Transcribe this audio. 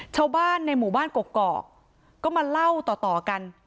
ชาวบ้านในหมู่บ้านกกอกก็มาเล่าต่อกัน